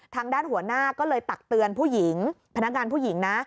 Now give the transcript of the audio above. ทางด้านหัวหน้าก็เลยตักเตือนผู้หญิงพนักงานผู้หญิงนะ